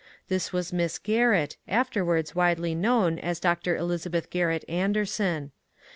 This was Miss Gbrrett, afterwards widely known as Dr. Elizabeth Grarrett Anderson.